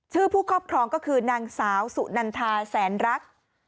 ผู้ครอบครองก็คือนางสาวสุนันทาแสนรัก